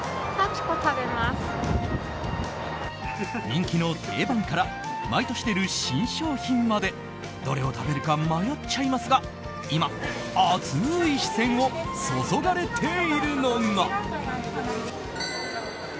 人気の定番から毎年出る新商品までどれを食べるか迷っちゃいますが今、熱い視線を注がれているのが。